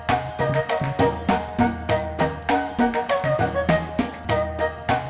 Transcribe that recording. seorang pengguna anak mobils yang orang orang ini again